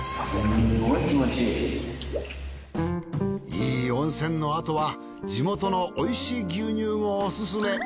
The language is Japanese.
いい温泉のあとは地元のおいしい牛乳をオススメ。